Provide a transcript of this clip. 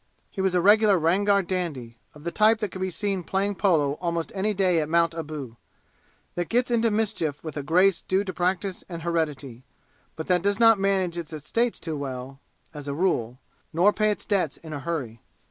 He was a regular Rangar dandy, of the type that can be seen playing polo almost any day at Mount Abu that gets into mischief with a grace due to practise and heredity but that does not manage its estates too well, as a rule, nor pay its debts in a hurry.